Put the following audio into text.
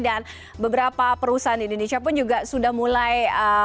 dan beberapa perusahaan di indonesia pun juga sudah mulai